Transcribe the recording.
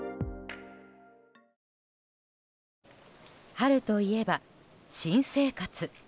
春といえば新生活。